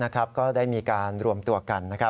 ก็ได้มีการรวมตัวกัน